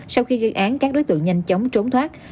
sau khi gây án các đối tượng nhanh chóng trốn thoát